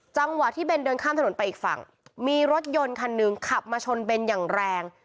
จังหวะที่เบนเดินข้ามถนนไปอีกฝั่งมีรถยนต์คันหนึ่งขับมาชนเบนอย่างแรง